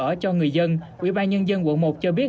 ở cho người dân quỹ ba nhân dân quận một cho biết